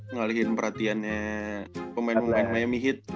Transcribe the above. ngalihin perhatiannya pemain pemain miami heat